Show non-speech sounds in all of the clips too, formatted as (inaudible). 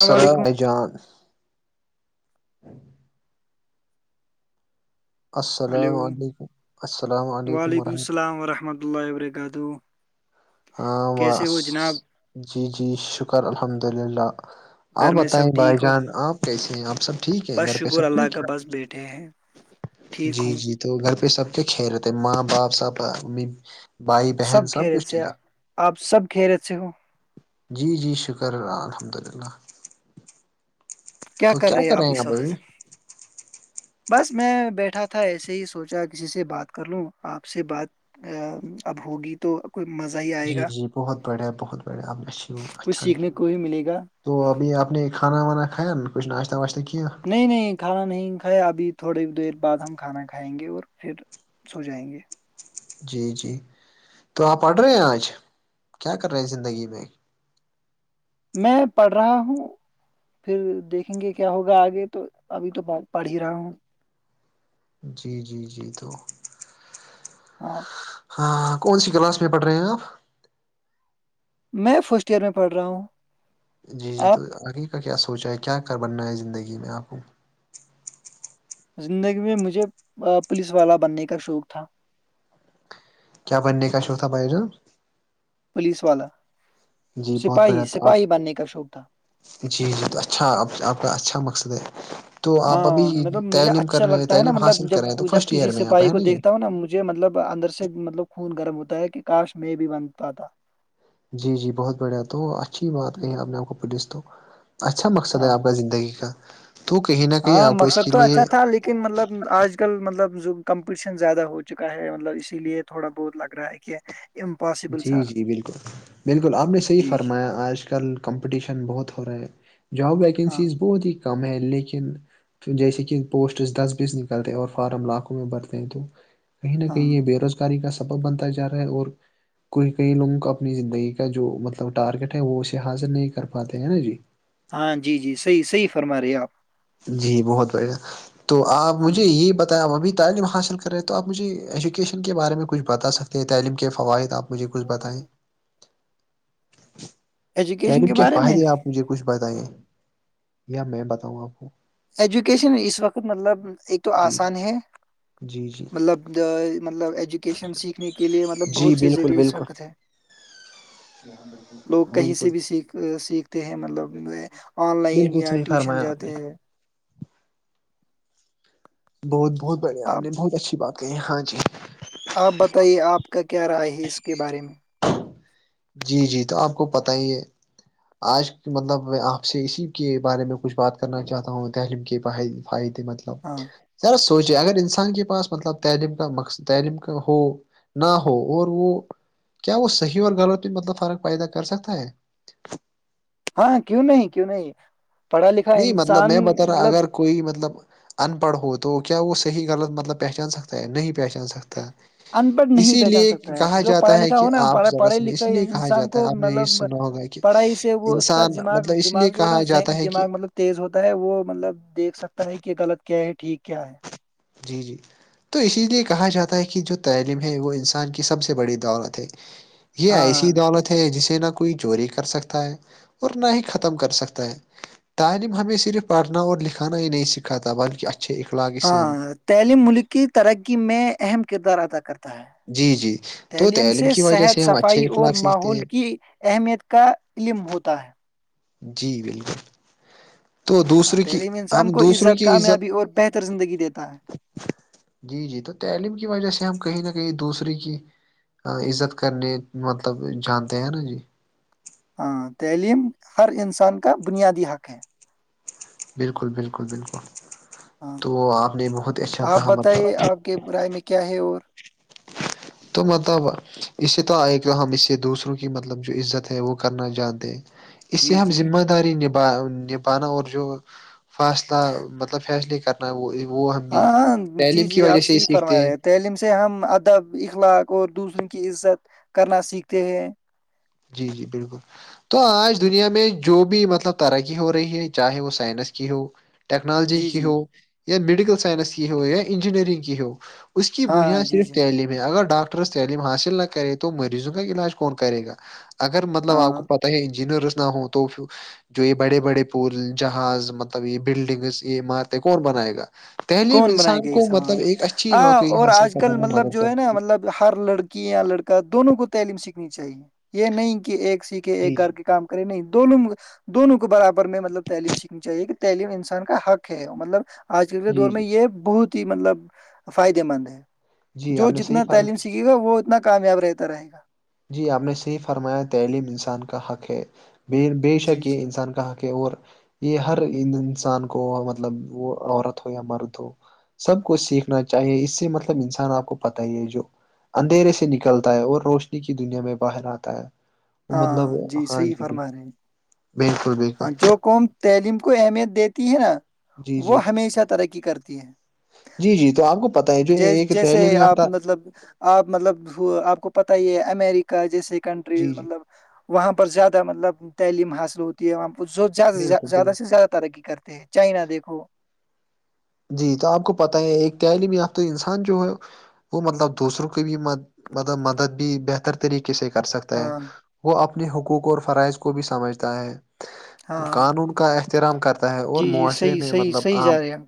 السلام سرا علیکم جان السلام ہلو علیکم السلام علیکم وعلیکم ورحمۃ السلام ورحمۃ اللہ وبرکاتہ ہاں کیسے بس ہو جناب جی جی شکر الحمد للہ آپ گھر میں سب بتائیں بھائی ٹھیک ہو جان آپ کیسے ہیں آپ سب ٹھیک ہے بس گھر پہ شکر سب اللہ ٹھیک کا ہے بس بیٹھے ہیں ٹھیک جی ہوں جی تو گھر پہ سب کیا کھیلے تھ ماں با سب بھائی بہن سب خیریت کچھ سے ٹھیک ہے آپ سب کہہ رہے سے ہو جی جی شکر الحمد للہ کیا کر رہے آپ اس وقت بس میں بیٹھا تھا ایسے ہی سوچا کسی سے بات کر لوں آپ سے بات ا اب ہوگی تو کوئی مزہ ہی آئے جی گا جی بہت بڑھیا بہت بڑھیا ابچھی کچھ اچھان سیکھنے کیا کو ہی ملے گا تو وہ بھی اپنے کانا وانا کان کچھ ناشتہ واشتہ کینہہ نہیں نہیں کھانا نہیں کھایا ابھی تھوڑی دیر بعد ہم کھانا کھائیں گے اور پھر س ہو جائیں گے جی جی تو آپ پڑھ رہے ہیں آج کیا کر رہے ہیں زندگی میں میں پڑھ رہا ہوں پھر دیکھیں گے کیا ہوگا آگے تو ابھی تو پڑھ ہی رہا ہوں جی جی جی تو ہاں ہاں کون سی کلاس میں پڑھ رہے ہیں آپ میں فرسٹ ایئر میں پڑھ رہا ہوں جی جی تو آپ آگے کا کیا سوچا ہے کیا کر بننا ہے زندگی میں آپ کو زندگی میں مجھے پولیس والا بننے کا شوق تھا کیا بننے کا چوت تھا بائی جان پولیس والا جی بہت سپاہی بڑا تھا سپاہی بننے کا شوق تھا جی جی تو اچھا آپ کا اچھا مقصد ہے تو آپ ابھی ہاں مطلب مجھے تعلیم کر اچھا رہے ہیں، لگتا ہے نا تعلیم مطلب حاصل جب کر رہے ہیں تو جب فرسٹ کسی ایئر میں آپ سپاہی ہے کو جی دھتا ہو نا مجھ مطلب اندر سے مطلب خون گرم ہوتا ہے کہ کاش میں بھی بند پاتا جی جی بہت بڑھیا تو اچھی بات کہی ہوں. آپ نے آپ کو پولیس تو اچھا مقصد ہے ہاں آپ کا زندگی کا تو کہیں نہ کہیں آپ کو اس کے لیے ن مطلب آج کل مطلب جو کمپٹیشن زیادہ ہو چکا ہے مطلب اسی لیے تھوڑا بہت لگ رہا ہے کہ (unintelligible) جی سا جی بالکل بالکل آپ نے صحیح جی جی فرمایا آج کل کمپٹیشن بہت ہو رہا ہے جاب ہاں و پھر جیسے کہ پوسٹس دس بیز نکلتے ہیں اور فارم لاکھوں میں بڑھتے ہیں تو کہیں نہ کہیں ہاں یہ بے روزگاری کا سبب بنتا جا رہا ہے اور کوئی کئی لوگوں کو اپنی زندگی کا جو مطلب ٹارگیٹ ہے وہ اسے حاضر نہیں کر پاتے ہیں نا جی ہاں جی جی صحیح صحیح فرما رہے آپ جی بہت بڑھیا تو آپ ہاں مجھے یہ بتایا ابھی تعلیم حاصل رہے تو آپ مجھے ایجوکیشن کے بارے میں کچھ بتا سکتے ہیں تعلیم کے فوائد آپ مجھے کچھ بتائیں ایجوکیشن تلیم کے کیا بارے میں فائدے آپ (unintelligible) مجھے کچھ بتائے یا میں بتاؤں آپ کو ایجوکیشن اس وقت مطلب ایک تو جی جی آسان ہے جی جی مطلب مطلب ایجوکیشن سیکھنے کے لیے مطلب بہت سے زذریع اس وقت ہے (unintelligible) جیاں بالکل لوگ کہیں سے بھی سیکھ سیکھتے ہیں مطلب آن لائن بالکل یا صحیح ٹیوشن فرمایا آپ نے جاتے ہیں بہت بہت بڑھیا آپ نے بہت اچھی بات کہی ہے ہاں جی آپ بتائیے آپ کا کیا رائے ہے اس کے بارے میں جی جی تو آپ کو پتہ ہی یہ آج مطلب میں آپ سے اسی کے بارے میں کچھ بات کرنا چاہتا ہوں تعلیم کے فائدے مطلب ہاں ذرا سوچے اگر انسان کے پاس مطلب تعلیم کا مقصد تعلیم کا ہو نہ ہو اور وہ کیا وہ صحیح اور غلط مطلب فرق پیدا کر سکتا ہے ہاں کیوں نہیں کیوں نہیں پڑھا لکھا نہیں مطلب انسان میں بتا رہا مطلب اگر کوئی مطلب ان پڑھ ہو تو کیا وہ صحیح غلط مطلب پہچان سکتا ہے نہیں پہچان سکتا ان پڑھ نہیں اسی پہچان لیے سکتا ہے کہا جو پڑھا جاتا ہے لکھا کہ ہو نا آپ ذرا پڑھے سنیں اس لکھے لیے کہا انسان جاتا ہے کو آپ نے یہ مطلب سنا ہوگا کہ پڑھائی سے وہ اس کا انسان دماغ مطلب اس لیے دماغ جو ہے نا کہا ذہنی جاتا ہے کہ دماغ مطلب تیز ہوتا ہے وہ مطلب دیکھ سکتا ہے کہ غلط کیا ہے ٹھیک کیا ہے جی جی تو اسی لیے کہا جاتا ہے کہ جو تعلیم ہے وہ انسان کی سب سے بڑی دولت ہے یہ ایسی ہاں دولت ہے جسے نہ کوئی چوری کر سکتا ہے اور نہ ہی ختم کر سکتا ہے تعلیم ہمیں صرف پڑھنا اور لکھانا ہی نہیں سکھا تھا بلکہ اچھا اھکلا ہاں تعلیم ملک کی ترقی میں اہم کردار ادا کرتا جی جی تو تعلیم سے کی وجہ صحت سے ہم صفائی اچھے اور اخلاق سیکھتے ماحول ہیں کی اہمیت کا علم ہوتا ہے جی بالکل تو ہاں دوسروں کی تعلیم انسان ہم کو دوسروں ازات کی عزت کامیابی اور بہتر زندگی دیتا ہے جی جی تو تعلیم کی وجہ سے ہم کہیں نہ کہیں دوسری کی عزت کرنےنی مطلب جانتے ہیں نا جی ہاں تعلیم ہر انسان کا بنیادی حق ہے بالکل بالکل بالکل ہاں تو آپ نے بہت اچھا آپ کہا بتائیے مطلب آپ کے برائے میں کیا ہے اور تو مہتبہ اس سے تو آئے تو ہم اس سے دوسروں کی مطلب جو عزت ہے وہ کرنا جانتے اس سے جی ہم جی ذمہ داری نبھا نبھانا اور جو فاصلہ مطلب فیصلے کر وہ وہ ہم بھی ہاں ہاں جی تعلیم کی جی وجہ آپ سے ہی صحیح فرما سیکھتے رہے ہیں تعلیم سے ہم ادب اخلاق اور دوسروں کی عزت کرنا سیکھتے ہیں جی جی بالکل تو آج دنیا میں جو بھی مطلب ترقی ہو رہی ہے چاہے وہ سائنس کی ہو ٹیکنالوجی جی کی جی ہو یا میڈیکل سائنس کی ہو یا انجینئرنگ کی ہو اس کی ہاں بنیاد جی صرف جی تعلیم ہے اگر ڈاکٹرس تعلیم حاصل نہ کرے تو مریضوں کا علاج کون کرے گا اگر مطلب ہاں آپ کو ہاں پتہ ہے انجینئر نہ ہوں تو جو یہ بڑے بڑے پول جہاز مطلب یہ بلڈنگس یہ عمارتیں کون بنائے گا تعلیم کون بنائی انسان گئی کو مطلب سباں ایک اچھی ہاں نوکری اور حاصل آج کرنے کل میں مطلب مدد جو کر ہے نا جی مطلب ہر لڑکی یا لڑکا دونوں کو تعلیم سیکھنی چاہیے یہ نہیں کہ ایک سیکھے ایک گھر جی کے کام کریں نہیں دونوں دونوں کو برابر میں مطلب تعلیم سیکھنی چاہیے کہ تعلیم انسان کا حق ہے مطلب آج کل کے جی میں جی یہ بہت ہی مطلب فائدے مند ہے جی جو آپ نے صحیح جتنا فارم تعلن سے سیکھے گا وہ اتنا کامیاب رہتا رہے گا جی آپ نے صحیح فرمایا تعلیم انسان کا حق ہے م بے جی شک یہ جی انسان کہ کہ اور یہ ہر انسان کو مطلب وہ عورت ہو یا مرد ہو سب کو ہوں، سیکھ چاہیے اس سے مطلب انسان آپ کو پتا ہی ہے جو اندھیرے سے نکلتا ہے اور روشنی کی دنیا میں باہر آتا ہے وہ ہاں مطلب جی ہاں صحیح فرما بالکل رہے ہیں بالکل بالکل ہاں جو قوم تعلیم کو اہمیت دیتی ہے نا جی جی وہ ہمیشہ ترقی کرتی ہے جی جی تو آپ کو پتہ ہے جو جی ایک جیسے تعلیم یافتہ آپ مطلب آپ مطلب ہو آپ کو پتہ ہی ہے امریکہ جیسے کنٹریز جی جی مطلب وہاں پر زیادہ مطلب تعلیم حاصل ہو اں بالکل زیادہ بالکل سے زیادہ ترقی کرتے ہیں چائنا دیکھو جی تو آپ کو پتہ ہے ایک تعلیم یافتہ انسان جو ہے وہ مطلب دوسروں کی بھی مطلب مدد بھی بہتر طریقے سے کر سکتے ہے ہاں وہ اپنے حقوق اور فرائض کو بھی سمجھتا ہے ہاں قانون کا احترام کرتا ہے اور جی جی معاشرے صحیح میں صحیح مطلب صحیح عام جا (unintelligible) رہے ہیں ہم۔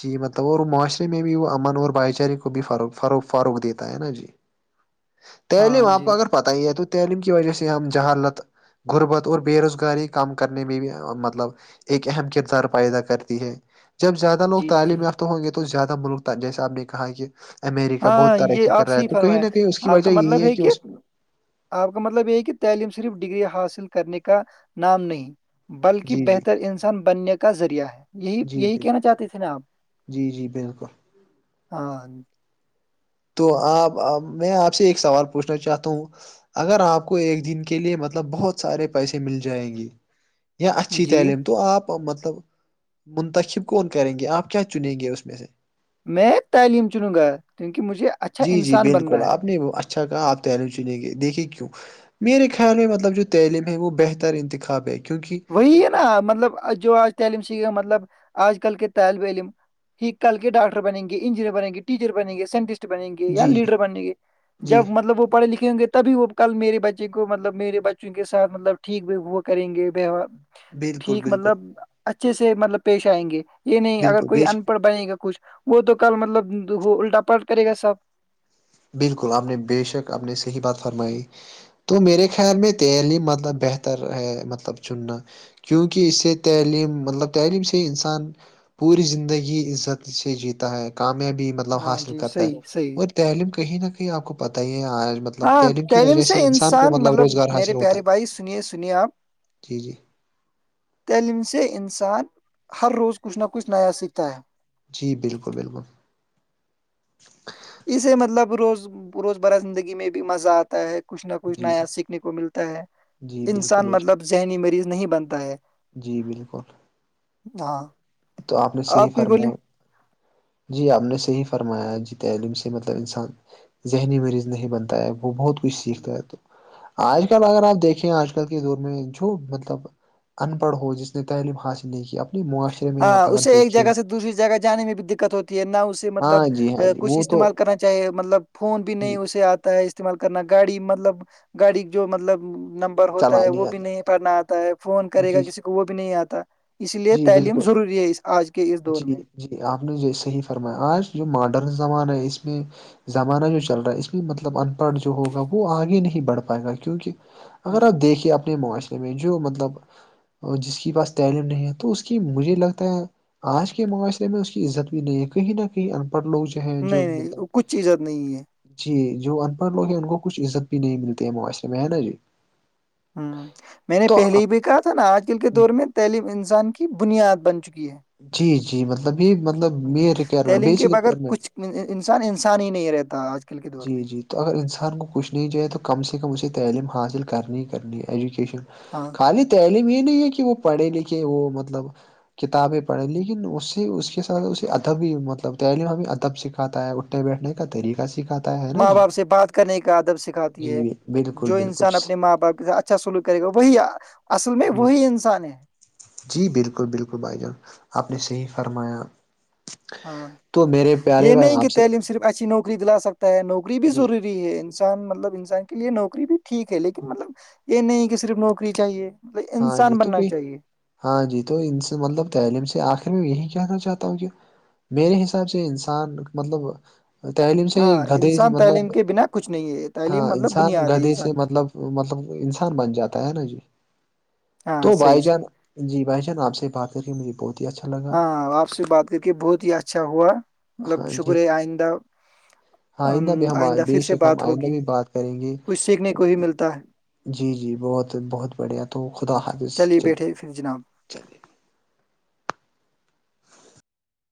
جی مطلب اور معاشرے میں بھی وہ امن اور بھائی چارے کو بھی فرو فرو فروغ دیتا ہے نا جی تعلیم ہاں آپ کو جی اگر پتہ ہی ہے تو تعلیم کی وجہ سے ہم جہالت غربت اور بے روزگاری کم کرنے میں بھی مطلب ایک اہم کردار پیدا کرتی ہے جب زیادہ لوگ جی جی تعلیم یافتہ ہوں گے تو زیادہ ملک جسے آپ نے کہا کہ امریکہ بہت ہاں یہ ترقی کر آپ رہا ہے سےحی تو کہیں فرمایں نہ کہیں اس کی آپ وجہ کا یہی مطلب ہے کہ اس آپ کا مطلب یہ ہے کہ تعلیم صرف ڈگری حاصل کرنے کا نام نہیں بلکہ جی جی بہتر انسان بننے کا ذریعہ ہے یہی جی یہی ب کہنا چاہتے تھے نا آپ جی جی بالکل ہاں تو آپ میں آپ سے ایک سوال پوچھنا چاہتا ہوں اگر آپ کو ایک دن کے لیے مطلب بہت سارے پیسے مل جائیں گے یا اچھی جی تعلیم تو آپ مطلب منتخب کون کریں گے آپ کیا چنیں گے اس میں سے میں تعلیم چنوں گا کیونکہ مجھے اچھا جی جی انسان بالکل بننا ہے آپ نے اچھا کہا آپ تل چنیں دیکھے کیوں میرے خیال میں مطلب جو تعلیم ہے وہ بہتر انتخاب ہے کیونکہ وہی ہے نا مطلب جو آج تعلیلم سھ مطلب آج کل کے طالب علم کل کے ڈاکٹر بن گے انجینئر بن گے ٹیچر بنے گے سائنٹسٹ بنےیں گے یا جی جی لیڈر بنےیں گے جی جب مطلب وہ پڑے لکھے ہوں گےب وہ کل میرے بچے کو مطلب مے بچوں کے سات مطلب ٹھیک بھی وہا کریں گے ار بالکل ٹھیک بالکل مطلب اچھے سے مطلب پیش آئیں گے یہ نہیں اگر بالکل کوئی بے ان پڑھ شک بنے گا کچھ وہ تو کل مطلب وہ الٹا پلٹ کرے گا سب بالکل آپ نے بے شک آپ نے صحیح بات فرمائی تو میرے خیال میں تیل ہی مطلب بہتر ہے مطلب چننا کیونکہ اس سے تعلیم مطلب تعلیم سے ہی انسان پوری زندگی عزت سے جیتا ہے کامیابی مطلب ہاں حاصل جی کرتا ہے صحیح صحیح اور تعلیم کا کہیں نہ کہیں آپ کو پتا ہی ہے آج مطلب تعلیم کی وجہ سے انسان کو مطلب روزگار میرے پیارے بھائی سنیے سنیے آپ ٹھیک ہے تعلیم سے انسان ہر روز کچھ نہ کچھ نیا سیکھتا ہے جی بالکل بالکل اسے مطلب روز روز برہ زندگی میں بھی مزہ آتا ہے کچھ نہ کچھ جی نیا جی سیکھنے کو ملتا ہے جی بالکل انسان بے شک مطلب ذہنی مریض نہیں بنتا ہے جی بالکل ہاں تو آپ نے صحیح کچھ بولے فرمایا جی آپ نے صحیح فرمایا ہے جی تعلیم سے مطلب انسان ذہنی مریض نہیں بنتا ہے وہ بہت کچھ سیکھتا ہے تو آج کل اگر آپ دیکھیں آج کل کے دور میں جو مطلب ان پڑھ ہو جس نے تعلیم حاصل نہیں کی اپنی معاشر ہاں اسے ایک جگہ سے دوسری جگہ جانے میں بھی دقت ہوتی ہے نہ اسے مطلب ہاں جی ہاں (inaudible) جی کچھ وہ تو استعمال کرنا چاہیے مطلب فون بھی نہیں جی اسے آتا ہے استعمال کرنا گاڑی مطلب گاڑی جو مطلب نم ہوتا ہے چلانی وہ بھی آتی نہیں پڑھنا آتا ہے فون کرے گا جی کسی کو وہ بھی نہیں آتا اس لیے جی تعلیم بالکل ضروری ہے اس آج کے اس دور جی میں جی آپ نے صحیح فرمایا آج جو ماڈرن زمانہ ہے اس میں زمانہ جو چل رہا ہے اس میں مطلب ان پڑھ جو ہوگا وہ آگے نہیں بڑھ پائے گا کیونکہ اگر ہوں آپ دیکھیے اپنے معاشرے میں جو مطلب جس کی پاس تعلیم نہیں ہے تو اس کی مجھے لگتا ہے آج کے معاشرے میں اس کی عزت بھی نہیں ہے کہیں نہ کہیں ان پڑھ لوگ جو ہیں جو نہیں نہیں مطلب کچھ چیزت نہیں ہے جی جو ان پڑھ لوگ ہیں ان کو کچھ عزت بھی نہیں ملتی ہے مواشے میں ہے نا جی ہوں میں نے تو پہلے ہی بھی کہا تھا نا آج آل کے دور میں تعلیم انسان کی بنیاد بن چکی ہے جی جی مطلب یہ مطلب م ہوں روائرمٹ تعلیم کے بیسک بغیر روائرمنٹ کچھ انسان انسان ہی نہیں رہتا آج کل کے دور جی میں جی تو اگر انسان کو کچھ نہیں جائے تو کم سے کم اسے تعلیم حاصل کرنی ہی کرنی ہے ایجوکیشن ہاں خالی تعلیم یہ نہیں ہے کہ وہ پڑھے لکھے وہ مطلب کتابیں پڑھییں لیکن اس سے اس کے ساتھ اسے ادبی مطلب تعلیم ہمی ادب سے ا ہے اٹھنے بیٹھنے کا طریقہ سکھاتا ہے نا ماں جی باپ سے بات کرنے کا ادب سکھاتی ہے جی بالکل جو بالکل انسان اپنے جی ماں باپ کے اچھا اچھا سلو کرے گا وہی اصل میں وہی انسان ہے جی بالکل بالکل بھائی جان آپ نے صحیح فرمایا ہاں تو میرے پیارے یہ بھائی نہیں کہ آپ سے تعلیم صرف اچھی نوکری دلا سکتا ہے نوکری بھی جی ضروری ہے انسان مطلب انسان کے لیے نوکری بھی ٹھیک ہے لیکن مطلب یہ نہیں کہ صرف نوکری چاہیے مطلب ہاں جی انسان تو بننا کہئی (inaudible) چاہیے ہاں جی تو ان سے مطلب تعلیم سے آخر میں یہی کہنا چاہتا ہوں کہ میرے حساب سے انسان مطلب تعلیم سے ہاں گدھے سے انسان تعلیم مطلب کے بنا کچھ نہیں ہے تعلیم ہاں مطلب انسان بنیاد ہے گدھے سے انسان کی مطلب مطلب انسان بن جاتا ہے نا جی ہاں تو صحیح بھائی صحیح جان جی بھائی جان آپ سے بات کر کے مجھے پونچ ہاں آپ سے بات کر کے بہت ہی اچھا ہوا مطلب ہاں جی شکریہ آئندہ ام، آئندہ بھی ہم آئندہ بے پھر سے شک ہم بات آئندہ ہوگی بھی بات کریں گے کچھ سیکھنے کو ہی ملتا ہے جی جی بہت بہت بڑھیا تو خدا حافظ چلیے بیٹھے پھر جناب چلیے